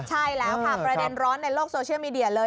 ใช่แล้วค่ะประเด็นร้อนในโลกโซเชียลมีเดียเลย